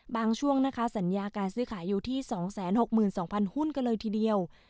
ช่วงนะคะสัญญาการซื้อขายอยู่ที่๒๖๒๐๐หุ้นกันเลยทีเดียว